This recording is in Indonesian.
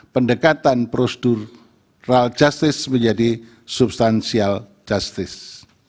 pendekatan prosedural justice menjadi substansial justice